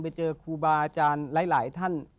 ไปเจอครูบาอาจารย์หลายท่าน